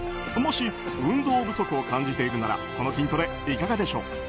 もし運動不足を感じているならこの筋トレ、いかがでしょう。